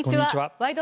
「ワイド！